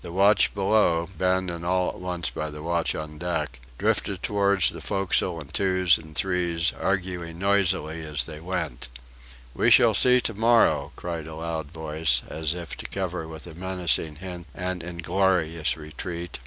The watch below, abandoned all at once by the watch on deck, drifted towards the forecastle in twos and threes, arguing noisily as they went "We shall see to morrow!" cried a loud voice, as if to cover with a menacing hint an inglorious retreat.